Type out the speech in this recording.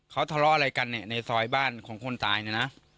เขาทะเลาะอะไรกันเนี่ยในซอยบ้านของคนตายเนี่ยนะ